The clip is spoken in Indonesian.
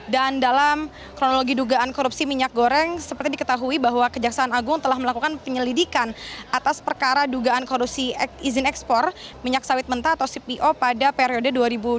dan dalam kronologi dugaan korupsi minyak goreng seperti diketahui bahwa kejaksaan agung telah melakukan penyelidikan atas perkara dugaan korupsi izin ekspor minyak sawit mentah atau cpo pada periode